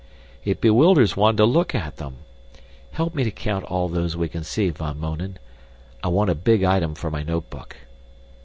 It bewilders one to look at them. Help me to count all those we can see, Van Mounen. I want a big item for my notebook."